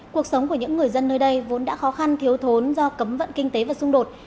cuộc sống của những người dân nơi đây vốn đã khó khăn thiếu thốn do cấm vận kinh tế và xung đột